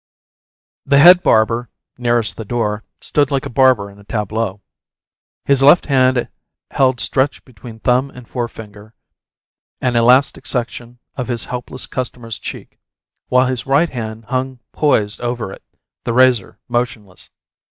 The head barber, nearest the door, stood like a barber in a tableau. His left hand held stretched between thumb and forefinger an elastic section of his helpless customer's cheek, while his right hand hung poised above it, the razor motionless.